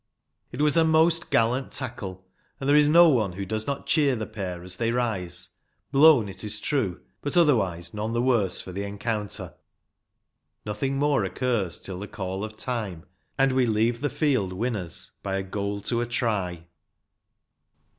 It was a most gallant tackle, and there is no one who does not cheer the pair as they rise, blown it is true, but otherwise none the worse for the encounter. Nothing more occurs till the call of time, and we leave the field winners by a goal to a try.